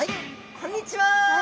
こんにちは。